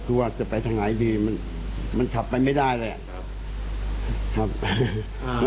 คือว่าจะไปทางไหนดีมันขับไปไม่ได้แหละ